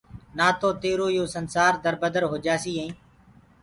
نآ تو تيرو يو سنسآر دربدر هوجآسيٚ ائينٚ